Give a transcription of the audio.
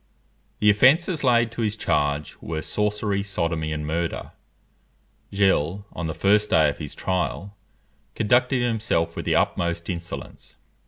The offences laid to his charge were, sorcery, sodomy, and murder. Gilles, on the first day of his trial, conducted himself with the utmost insolence.